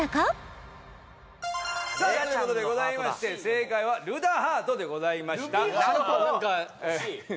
あルダちゃんのハートだということでございまして正解はルダハートでございました